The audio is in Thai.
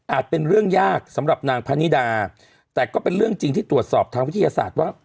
เป็นเรื่องยากสำหรับนางพนิดาแต่ก็เป็นเรื่องจริงที่ตรวจสอบทางวิทยาศาสตร์ว่า